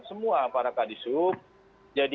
semua para kadisub jadi